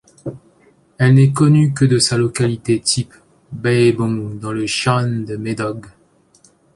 Elle n'est connue que de sa localité type, Beibung, dans le xian de Mêdog.